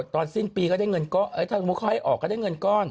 ตอนสิ้นปีก็ได้เงินก้อนถ้าสมมุติเขาให้ออกก็ได้เงินก้อน